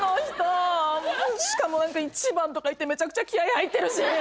しかも何か１番とかいってめちゃくちゃ気合入ってるし。